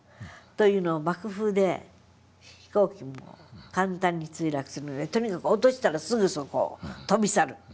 というのは爆風で飛行機も簡単に墜落するのでとにかく落としたらすぐそこを飛び去る。